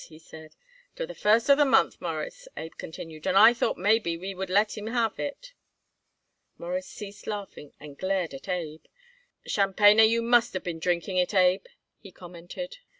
he said. "Till the first of the month, Mawruss," Abe continued, "and I thought maybe we would let him have it." Morris ceased laughing and glared at Abe. "Tchampanyer you must have been drinking it, Abe," he commented.